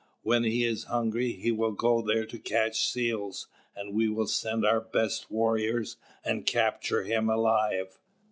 When he is hungry, he will go there to catch seals; and we will send our best warriors and capture him alive."